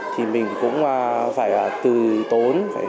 thì mình cũng phải từ tốn